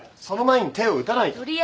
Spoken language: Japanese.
その前に手を打たないと。